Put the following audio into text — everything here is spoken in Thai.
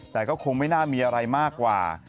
แต่ก็คงไม่น่ามีอะไรมากกว่า